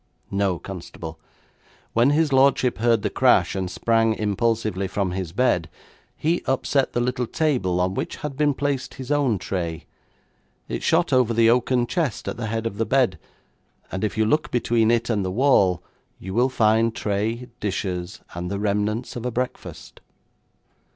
'No, constable; when his lordship heard the crash, and sprang impulsively from his bed, he upset the little table on which had been placed his own tray; it shot over the oaken chest at the head of the bed, and if you look between it and the wall you will find tray, dishes, and the remnants of a breakfast.'